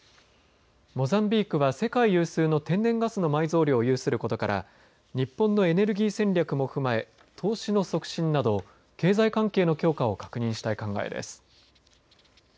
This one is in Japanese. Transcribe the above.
モザンビークは世界有数の天然ガスの埋蔵量を有することから日本のエネルギー戦略も踏まえ投資の促進など経済関係の強化を確認したい考えです。